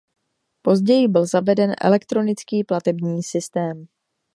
Později byl zaveden elektronický platební systém.